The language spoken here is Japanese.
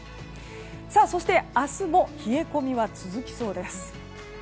そして明日も冷え込みは続きそうです。